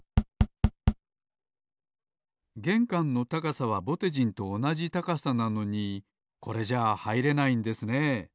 げんかんの高さはぼてじんとおなじ高さなのにこれじゃあはいれないんですね。